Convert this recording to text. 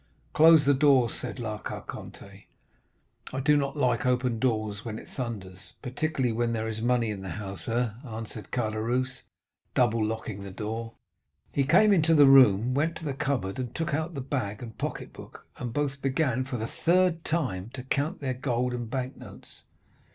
"'Close the door,' said La Carconte; 'I do not like open doors when it thunders.' "'Particularly when there is money in the house, eh?' answered Caderousse, double locking the door. 20311m "He came into the room, went to the cupboard, took out the bag and pocket book, and both began, for the third time, to count their gold and bank notes.